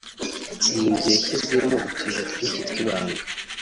Iyi nzu yashyizwemo utuyira twinshi tw’ibanga